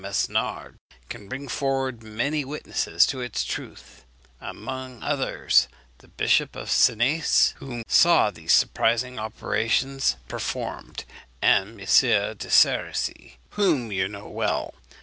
Mesnard can bring forward many witnesses to its truth; among others, the Bishop of Senés, who saw these surprising operations performed; and M. de Cerisy, whom you know well.